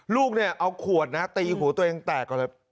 ลูกเอาขวดตีหัวตัวเองแตกก่อนเลย